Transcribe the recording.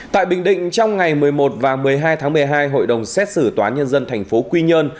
tại bình định trong ngày một mươi một và một mươi hai tháng một mươi hai hội đồng xét xử tòa nhân dân thành phố quy nhơn